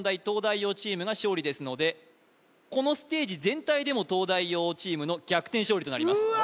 東大王チームが勝利ですのでこのステージ全体でも東大王チームの逆転勝利となります